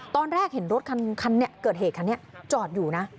ตอนแรกเห็นรถขันเกิดเหตุจอดอยู่นะ